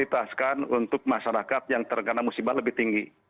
prioritaskan untuk masyarakat yang terkena musibah lebih tinggi